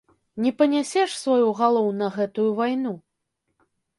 Не панясеш сваю галоў на гэтую вайну?